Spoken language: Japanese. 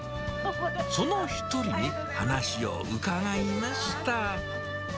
その一人に話を伺いました。